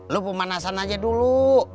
lo pemanasan aja dulu